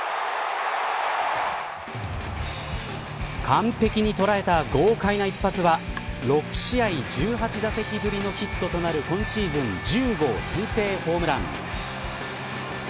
完璧に捉えた豪快な一発は６試合１８打席ぶりのヒットとなる今シーズン１０号先制ホームラン。